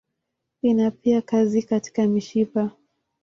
Ina pia kazi katika mishipa.